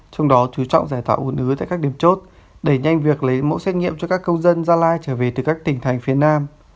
trong đó chú trọng giải tạo un ứ tại các điểm chốt đẩy nhanh việc lấy mẫu xét nghiệm cho các công dân gia lai trở về từ các tỉnh thành phía nam